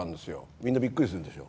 みんなびっくりするでしょ。